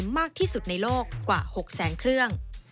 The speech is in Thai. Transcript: มากที่สุดในโลกกว่า๖แสนเครื่อง